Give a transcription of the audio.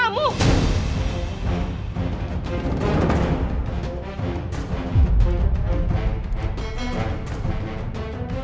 kamu lagi hamil